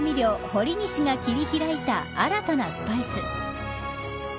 ほりにしが切り開いた新たなスパイス。